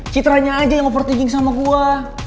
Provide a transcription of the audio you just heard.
citra aja yang over tingin sama gue